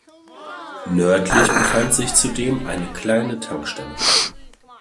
Nördlich befand sich zudem eine kleine Tankstelle.